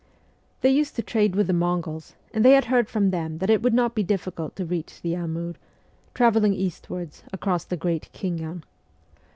They used to trade with the Mongols, and they had heard from them that it would not be difficult to reach the Amur, travelling eastwards across the Great Khingan.